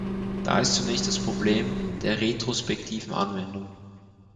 Da ist zunächst das Problem der retrospektiven Anwendung.